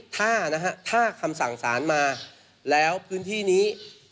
ถ้านะฮะถ้าคำสั่งสารมาแล้วพื้นที่นี้